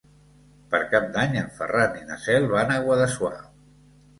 Per Cap d'Any en Ferran i na Cel van a Guadassuar.